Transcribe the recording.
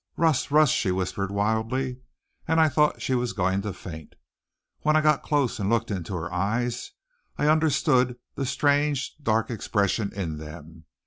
"Russ! Russ!" she whispered wildly, and I thought she was going to faint. When I got close and looked into her eyes I understood the strange dark expression in them.